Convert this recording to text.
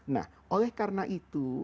nah oleh karena itu